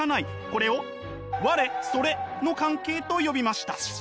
これを「我−それ」の関係と呼びました。